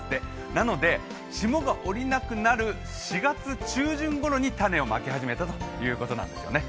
なので、霜がおりなくなる４月中旬頃に種をまき始めたということなんですよね。